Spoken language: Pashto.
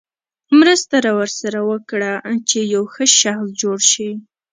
مرسته ورسره وکړه چې یو ښه شخص جوړ شي.